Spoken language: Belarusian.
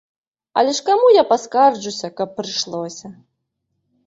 Але ж каму я паскарджуся, каб прыйшлося.